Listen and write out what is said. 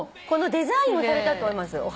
このデザインをされたと思います。